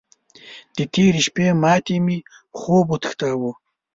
د تېرې شپې ماتې مې خوب وتښتاوو.